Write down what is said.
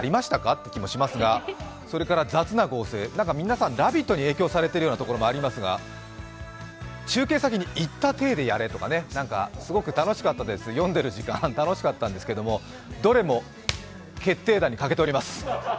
って気もしますが、雑な合成、皆さん「ラヴィット！」に影響されているようなところもありますが、中継先に行った体でやれとかねすごく楽しかったです、読んでる時間、楽しかったんですけどどれも決定打に欠けております。